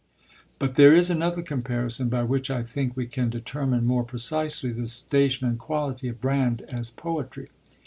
But there is another comparison by which I think we can determine more precisely the station and quality of Brand as poetry.